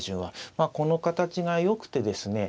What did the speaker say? まあこの形がよくてですね